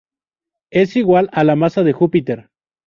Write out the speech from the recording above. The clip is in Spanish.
Es igual a la masa de Júpiter.